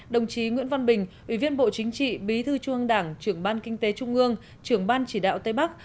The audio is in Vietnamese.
đồng chí nguyễn văn bình ủy viên bộ chính trị bí thư trung ương đảng trưởng ban kinh tế trung ương trưởng ban chỉ đạo tây bắc